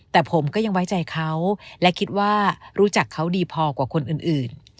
แต่ผมก็ยังไว้ใจเขาและคิดว่ารู้จักเขาดีพอกว่าคนอื่น